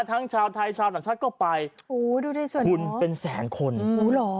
ทั้งชาวไทยชาวต่างชาติก็ไปโอ้โหดูได้สวยหรอคุณเป็นแสนคนโอ้โหเหรอ